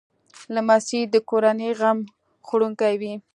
لمسی د کورنۍ غم خوړونکی وي.